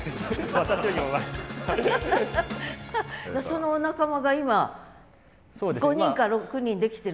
そのお仲間が今５人か６人できてる？